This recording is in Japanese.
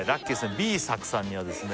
Ｂｅ作さんにはですね